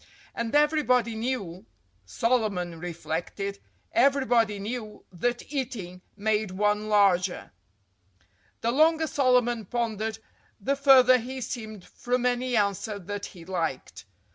And everybody knew—Solomon reflected—everybody knew that eating made one larger. The longer Solomon pondered, the farther he seemed from any answer that he liked.